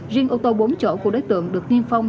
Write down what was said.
riêng ô tô bốn chỗ của đối tượng được tiên phong